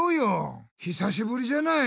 ひさしぶりじゃない？